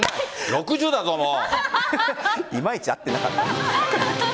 ６０だぞ、もう。